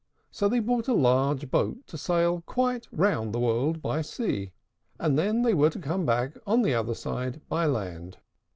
So they bought a large boat to sail quite round the world by sea, and then they were to come back on the other side by land.